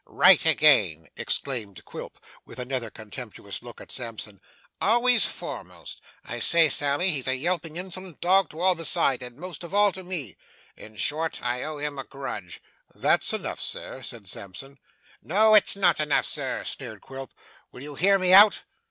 'Right again!' exclaimed Quilp, with another contemptuous look at Sampson, 'always foremost! I say, Sally, he is a yelping, insolent dog to all besides, and most of all, to me. In short, I owe him a grudge.' 'That's enough, sir,' said Sampson. 'No, it's not enough, sir,' sneered Quilp; 'will you hear me out?